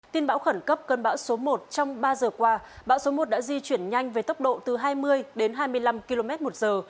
tin bão khẩn cấp cơn bão số một trong ba giờ qua bão số một đã di chuyển nhanh về tốc độ từ hai mươi đến hai mươi năm km một giờ